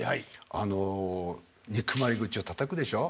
あの憎まれ口をたたくでしょ？